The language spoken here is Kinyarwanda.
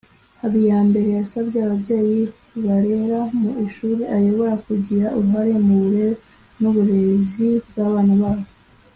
Habiyambere yasabye ababyeyi barerera mu ishuri ayobora kugira uruhare mu burere n ‘uburezi bw’abana babo